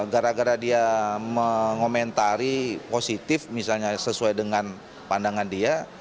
gara gara dia mengomentari positif misalnya sesuai dengan pandangan dia